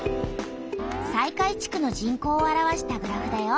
西海地区の人口を表したグラフだよ。